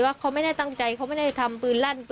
ว่าเขาไม่ได้ตั้งใจเขาไม่ได้ทำปืนลั่น